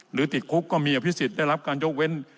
หรือติดคุกก็มีอภิษฐศิลป์ได้รับการยกเว้น